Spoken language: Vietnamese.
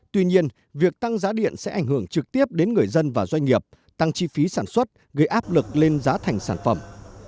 tuy nhiên việc tăng giá điện sẽ ảnh hưởng trực tiếp đến người dân và doanh nghiệp tăng chi phí sản xuất gây áp lực lên giá thành sản phẩm